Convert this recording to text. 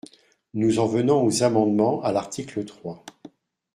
Nous en venons aux amendements à l’article trois.